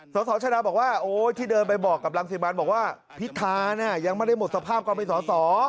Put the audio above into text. ซอซอชนาบอกว่าที่เดินไปบอกกับรังสิมันบอกว่าพิทาเนี่ยยังไม่ได้หมดสภาพกว่ากล่าไปซอสอ